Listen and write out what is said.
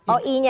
oh i nya